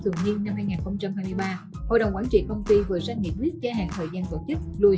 thường niên năm hai nghìn hai mươi ba hội đồng quản trị công ty vừa ra nghị quyết gia hạn thời gian tổ chức nuôi